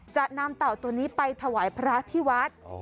จะนำเต่าตัวนี้ไปถวายพระที่วัด